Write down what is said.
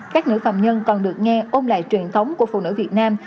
các nữ phạm nhân còn được nghe ôm lại truyền thống của phụ nữ việt nam